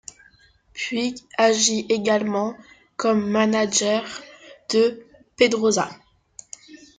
Puig agit également comme manager de Pedrosa.